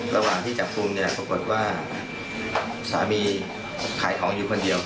ระหว่างที่จัดภูมิในรับประกอบบหัวผู้สามีแคลจับอาบคุมได้ต้อยอยู่คนเดียว